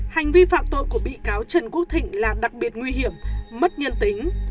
hành vi phạm tội của bị cáo trần quốc thịnh là đặc biệt nguy hiểm mất nhân tính